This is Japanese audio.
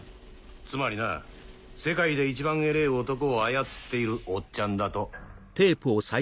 つまりな世界で一番偉ぇ男を操っているおっちゃんだと。